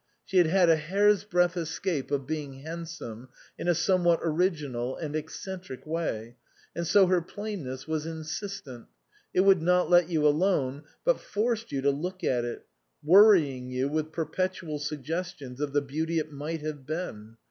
She had had a hair's breadth escape of being handsome in a some what original and eccentric way. And so her plainness was insistent; it would not let you alone, but forced you to look at it, worrying you with perpetual suggestions of the beauty it might have been.